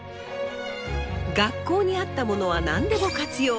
学校にあったものは何でも活用。